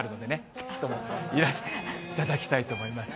ぜひともいらしていただきたいと思います。